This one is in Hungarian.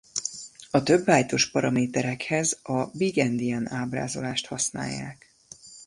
A több bájtos paraméterekhez a big-endian ábrázolást használják.